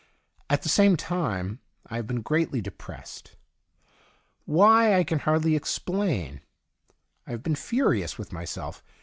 At the same time I have been greatly depressed. Why, I can hardly explain. I have been furious with myself.